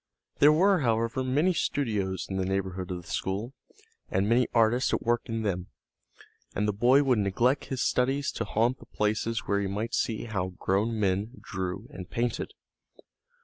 There were, however, many studios in the neighborhood of the school, and many artists at work in them, and the boy would neglect his studies to haunt the places where he might see how grown men drew and painted.